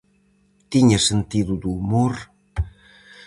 Tiña sentido do humor?